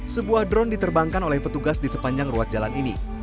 sebuah drone diterbangkan oleh petugas di sepanjang ruas jalan ini